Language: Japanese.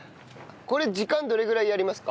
これ時間どれぐらいやりますか？